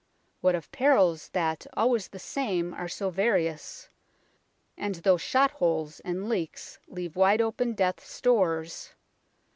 " What of perils, that, always the same, are so various, And though shot holes and leaks leave wide open Death's doors